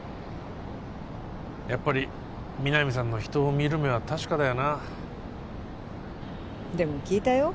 やっぱり皆実さんの人を見る目は確かだよなでも聞いたよ